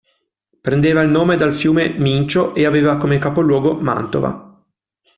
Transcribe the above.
Prendeva il nome dal fiume Mincio e aveva come capoluogo Mantova.